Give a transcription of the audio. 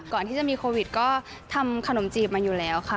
ก่อนที่จะมีโควิดก็ทำขนมจีบมาอยู่แล้วค่ะ